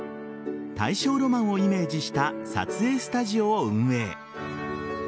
大正ロマンをイメージした撮影スタジオを運営。